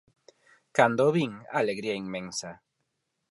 Cando o vin, alegría inmensa.